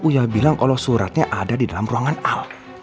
uya bilang kalau suratnya ada di dalam ruangan al